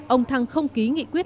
ông thăng không ký nghị quyết